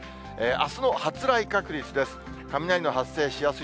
あすの発雷確率です。